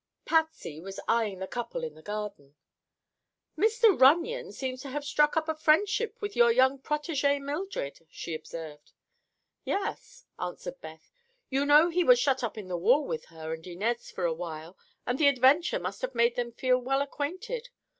Patsy was eyeing the couple in the garden. "Mr. Runyon seems to have struck up a friendship with your protégé Mildred," she observed. "Yes," answered Beth. "You know he was shut up in the wall with her and Inez for awhile and the adventure must have made them feel well acquainted.